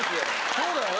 そうだよね。